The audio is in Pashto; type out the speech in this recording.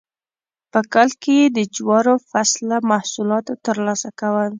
په کال کې یې د جوارو فصله محصولات ترلاسه کول.